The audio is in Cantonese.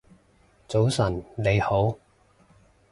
早晨你好